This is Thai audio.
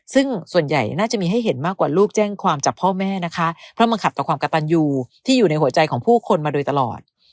ซึ่งส่วนใหญ่น่าจะมีให้เห็นมากกว่าลูกแจ้งความจากพ่อแม่นะคะเพราะมันขัดต่อความกระตันอยู่ที่อยู่ในหัวใจของผู้คนมาโดยตลอด